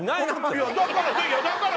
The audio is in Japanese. いやだから。